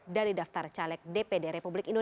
dari daftar caleg dpd